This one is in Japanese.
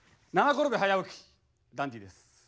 転び早起きダンディです。